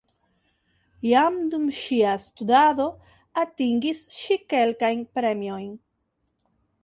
Jam dum ŝia studado atingis ŝi kelkajn premiojn.